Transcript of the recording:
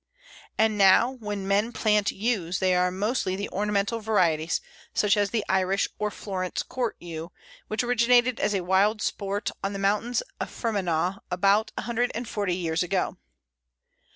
And now when men plant Yews they are mostly the ornamental varieties, such as the Irish or Florence Court Yew, which originated as a wild sport on the mountains of Fermanagh about a hundred and forty years ago.